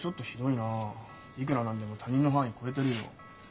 いくら何でも他人の範囲を超えてるよ。